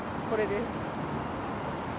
これです。